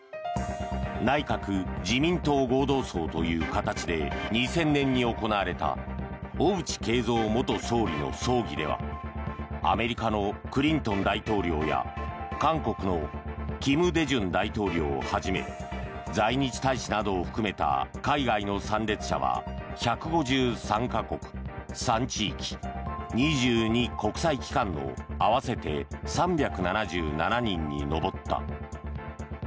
内閣・自民党合同葬という形で２０００年に行われた小渕恵三元総理の葬儀ではアメリカのクリントン大統領や韓国の金大中大統領をはじめ在日大使などを含めた海外の参列者は１５３か国、３地域２２国際機関の合わせて３７７人に上った。